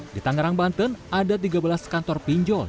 di tangerang banten ada tiga belas kantor pinjol